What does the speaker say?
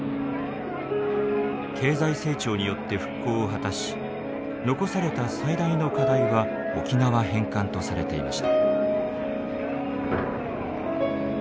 経済成長によって復興を果たし残された最大の課題は沖縄返還とされていました。